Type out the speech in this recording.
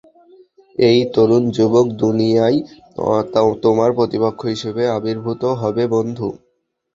এই তরুণ যুবক দুনিয়ায় তোমার প্রতিপক্ষ হিসেবে আবির্ভূত হবে, বন্ধু।